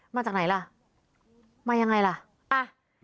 มาจากไหนล่ะมายังไงล่ะอ่ะ